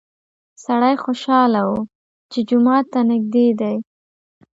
سړی خوشحاله و چې جومات ته نږدې دی.